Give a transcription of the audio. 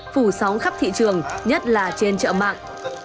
phủ sóng khắp thị trường nhất là trên chợ mạng